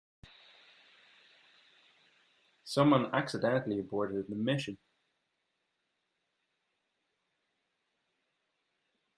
Someone accidentally aborted the mission.